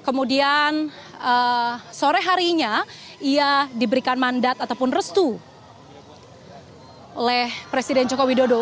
kemudian sore harinya ia diberikan mandat ataupun restu oleh presiden joko widodo